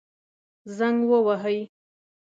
زنګ ووهئ